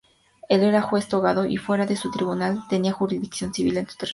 Era juez togado y, fuera de su tribunal, tenía jurisdicción civil en su territorio.